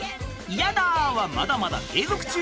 「イヤだ」はまだまだ継続中。